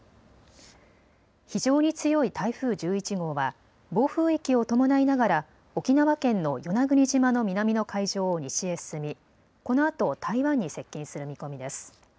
非常に強い台風１１号は暴風域を伴いながら沖縄県の与那国島の南の海上を西へ進み、このあと台湾に接近する見込みです。